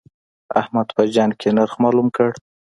احمد په جنګ کې نرخ مالوم کړ.